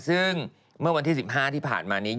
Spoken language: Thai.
ซึ่งเมื่อวันที่๑๕ที่ผ่านมานี้